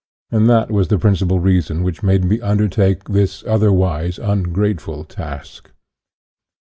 And that was the principal reason which made me undertake this otherwise ungrate ful task.